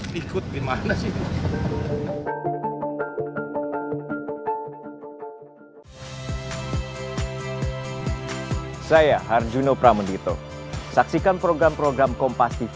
wah itu pak gosip murahan tuh